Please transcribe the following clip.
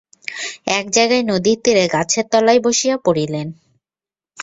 এক জায়গায় নদীর তীরে গাছের তলায় বসিয়া পড়িলেন।